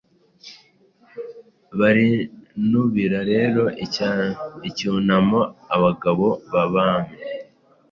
Barinubira rero icyunamo abagabo babami